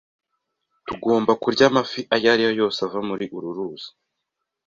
Ntugomba kurya amafi ayo ari yo yose ava muri uru ruzi.